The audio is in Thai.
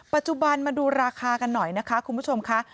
ปัจจุบันมาดูราคากันหน่อยนะคะคุณผู้ชมค่ะ